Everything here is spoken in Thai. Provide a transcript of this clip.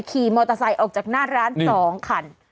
ขี่มอเตอร์ไซค์ออกจากหน้าร้าน๒คัน